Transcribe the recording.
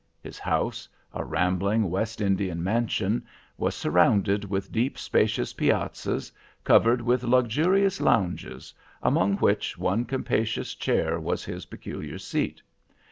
His house, a rambling West Indian mansion, was surrounded with deep, spacious piazzas, covered with luxurious lounges, among which one capacious chair was his peculiar seat.